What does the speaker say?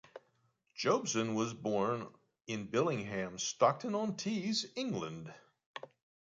Jobson was born in Billingham, Stockton-on-Tees, England.